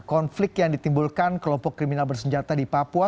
konflik yang ditimbulkan kelompok kriminal bersenjata di papua